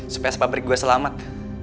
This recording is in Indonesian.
supaya sepabrik gue selamat